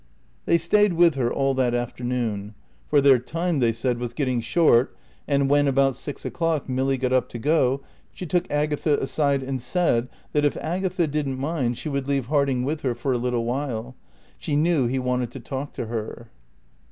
They stayed with her all that afternoon; for their time, they said, was getting short; and when, about six o'clock, Milly got up to go she took Agatha aside and said that, if Agatha didn't mind, she would leave Harding with her for a little while. She knew he wanted to talk to her.